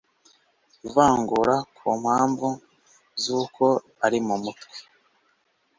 ivangura ku mpamvu z uko ari mu mutwe